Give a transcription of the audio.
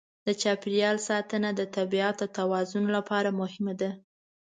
د چاپېریال ساتنه د طبیعت د توازن لپاره مهمه ده.